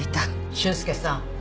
修介さん。